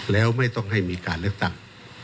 แล้วไม่ต้องให้มีการเลือกตั้ง